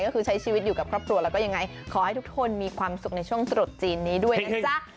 ก็คือใช้ชีวิตอยู่กับครอบครัวแล้วก็ยังไงขอให้ทุกคนมีความสุขในช่วงตรุษจีนนี้ด้วยนะจ๊ะ